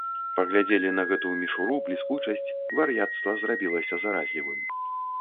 Паглядзелі на гэту мішуру, бліскучасць, вар'яцтва зрабілася заразлівым.